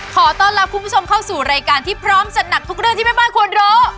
ขอต้อนรับคุณผู้ชมเข้าสู่รายการที่พร้อมจัดหนักทุกเรื่องที่แม่บ้านควรรู้